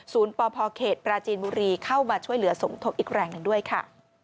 ปพเขตปราจีนบุรีเข้ามาช่วยเหลือสมทบอีกแรงหนึ่งด้วยค่ะ